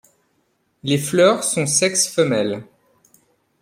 Les fleurs sont sexe femelle.